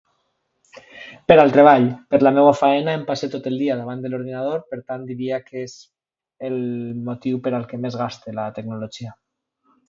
Per al treball. Per la meua faena em passe tot el dia davant de l'ordinador per tant diria que és el motiu per el que més gaste la tecnologia